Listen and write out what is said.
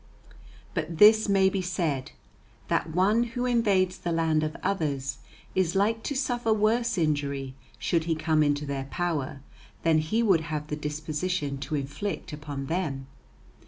But this may be said, that one who invades the land of others is like to suffer worse injury should he come into their power than he would have the disposition to inflict upon them.